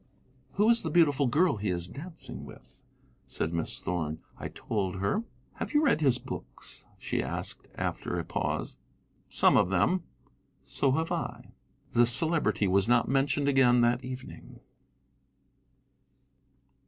"Who is that beautiful girl he is dancing with?" said Miss Thorn. I told her. "Have you read his books?" she asked, after a pause. "Some of them." "So have I." The Celebrity was not mentioned again that evening.